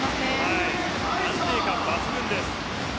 安定感、抜群です。